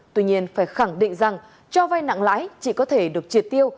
tuy nhiên phải khẳng định rằng cho vay nặng lãi chỉ có thể được triệt tiêu